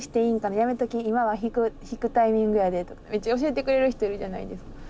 「やめとき今は引くタイミングやで」とかめっちゃ教えてくれる人いるじゃないですか。